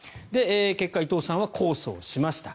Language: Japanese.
結果、伊藤さんは控訴しました。